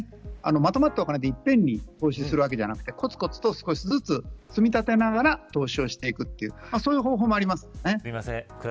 まとまったお金でいっぺんに投資するのではなくこつこつと少しずつ積み立てながら投資をしていくそういう方法もあります。